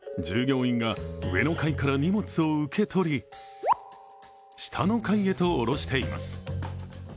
従業員が上の階から荷物を受け取り、下の階へと下ろしています。